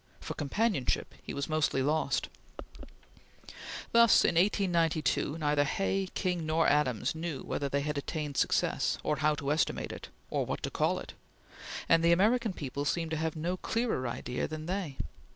For companionship he was mostly lost. Thus, in 1892, neither Hay, King, nor Adams knew whether they had attained success, or how to estimate it, or what to call it; and the American people seemed to have no clearer idea than they.